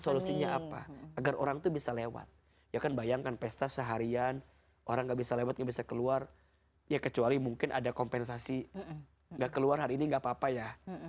solusinya apa agar orang itu bisa lewat ya kan bayangkan pesta seharian orang nggak bisa lewat nggak bisa keluar ya kecuali mungkin ada kompensasi nggak keluar hari ini nggak apa apa ya